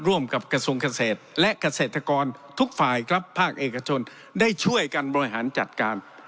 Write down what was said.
ร่วมกับกระทรวงเกษตรและเกษตรกรทุกฝ่ายครับภาคเอกชนได้ช่วยกันบริหารจัดการ